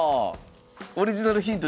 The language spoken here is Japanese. オリジナルヒント